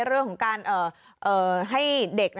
เรื่องของการให้เด็ก